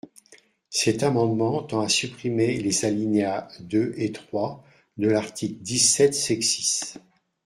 Cet amendement tend à supprimer les alinéas deux et trois de l’article dix-sept sexies.